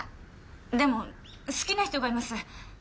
でも好きな人がいます。